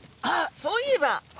あっそういえば！